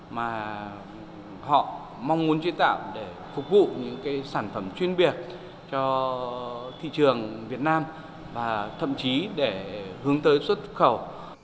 mà họ mong muốn chế tạo để phục vụ những sản phẩm chuyên biệt cho thị trường việt nam và thậm chí để hướng tới xuất khẩu